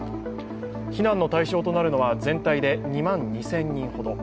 避難の対象となるのは全体で２万２０００人ほど。